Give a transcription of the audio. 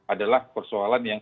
adalah persoalan yang